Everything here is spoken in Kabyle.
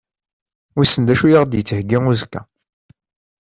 Wissen d acu i aɣ-d-yettheggi uzekka?